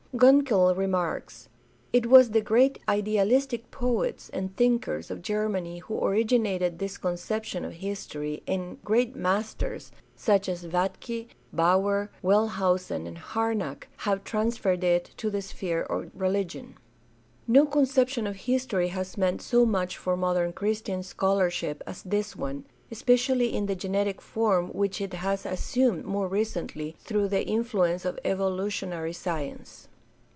Gunkel remarks: "It was the great idealistic poets and thinkers of Germany who originated this conception of history, and great masters, such as Vatke, Baur, Wellhausen, and Harnack, have transferred it to the sphere of religion." No conception of history has meant so much for modern Christian scholarship as this one, especially in the genetic form which it has assumed more recently through the influ ence of evolutionary science.